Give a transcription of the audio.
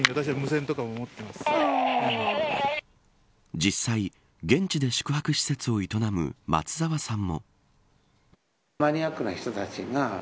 実際、現地で宿泊施設を営む松澤さんも。